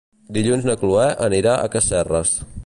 Dilluns na Chloé anirà a Casserres.